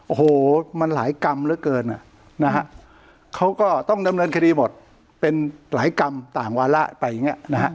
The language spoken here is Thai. โอ้โหมันหลายกรรมเหลือเกิน